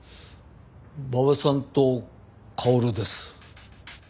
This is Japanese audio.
馬場さんと薫です。